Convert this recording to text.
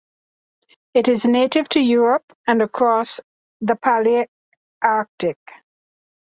It is native to Europe and across the Palearctic.